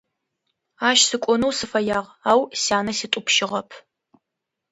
Ащ сыкӀонэу сыфэягъ, ау сянэ ситӀупщыгъэп.